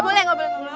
boleh gak boleh